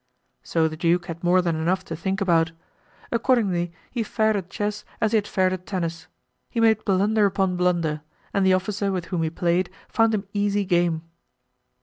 So the duke had more than enough to think about; accordingly he fared at chess as he had fared at tennis; he made blunder upon blunder and the officer with whom he played found him easy game.